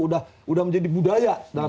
sudah menjadi budaya dalam